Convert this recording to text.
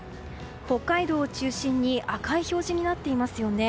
北海道中心に赤い表示になっていますよね。